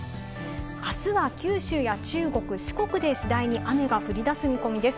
あすは九州や中国、四国で次第に雨が降り出す見込みです。